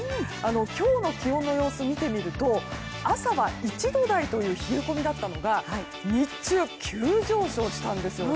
今日の気温の様子を見てみると朝は１度台という冷え込みだったのが日中、急上昇したんですよね。